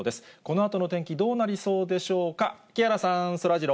このあとの天気、どうなりそうでしょうか。